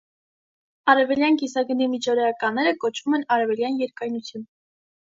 Արևելյան կիսագնդի միջօրեականները կոչվում են արևելյան երկայնություն։